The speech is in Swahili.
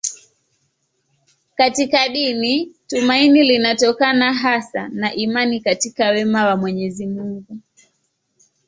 Katika dini tumaini linatokana hasa na imani katika wema wa Mwenyezi Mungu.